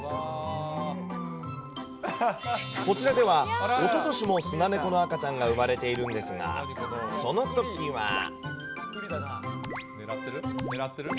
こちらでは、おととしもスナネコの赤ちゃんが産まれているんですが、そのときは。